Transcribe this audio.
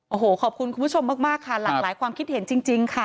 โอ้โหขอบคุณคุณผู้ชมมากค่ะหลากหลายความคิดเห็นจริงค่ะ